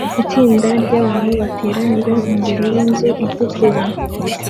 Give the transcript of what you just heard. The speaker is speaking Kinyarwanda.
Itsinda ryabantu bateranira imbere yinzu itukura